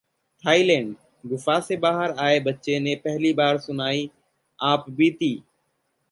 Thailand: गुफा से बाहर आए बच्चों ने पहली बार सुनाई आपबीती